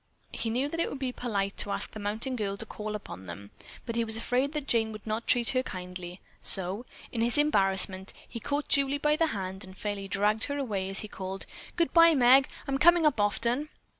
He knew that it would be polite to ask the mountain girl to call upon them, but he was afraid that Jane would not treat her kindly, so, in his embarrassment, he caught Julie by the hand and fairly dragged her away as he called, "Goodbye, Meg, I'm coming up often."